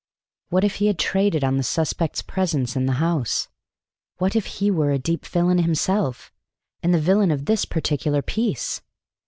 What if he had traded on the suspect's presence in the house? What if he were a deep villain himself, and the villain of this particular piece?